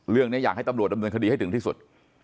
เรื่องนี้อยากให้ตำรวจดำเนินคดีให้ถึงที่สุด